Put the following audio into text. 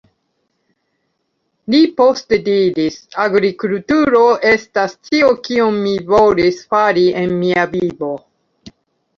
Li poste diris "agrikulturo estas ĉio kion mi volis fari en mia vivo.